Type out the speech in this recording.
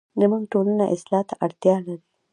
زموږ ټولنه اصلاح ته ډيره اړتیا لري